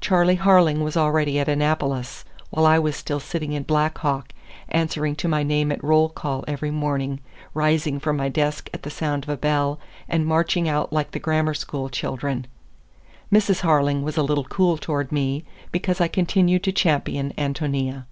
Charley Harling was already at Annapolis, while I was still sitting in Black Hawk, answering to my name at roll call every morning, rising from my desk at the sound of a bell and marching out like the grammar school children. Mrs. Harling was a little cool toward me, because I continued to champion Ántonia.